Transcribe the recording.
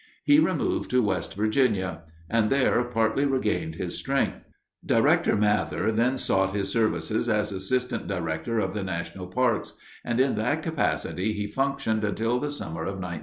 He removed to West Virginia, and there partly regained his strength. Director Mather then sought his services as Assistant Director of the National Parks, and in that capacity he functioned until the summer of 1930.